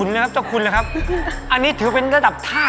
มาแก้งค่ะ